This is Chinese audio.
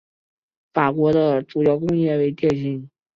法国的主要工业为电信。